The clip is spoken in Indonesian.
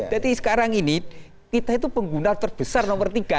jadi sekarang ini kita itu pengguna terbesar nomor tiga